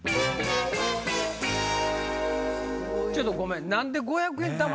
ちょっとごめん。